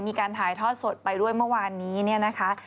มีการถ่ายทอดสดไปด้วยเมื่อวานนี้เนี่ยนะคะ